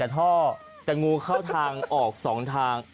แต่งูเข้าทางออก๒ทาง